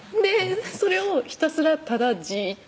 それをひたすらただじーっと